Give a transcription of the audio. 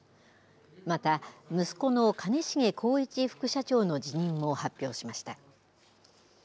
また、息子の兼重宏一副社長の辞任も発表しました。